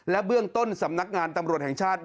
เบื้องต้นสำนักงานตำรวจแห่งชาติ